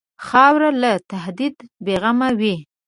خاوره له تهدیده بېغمه وي.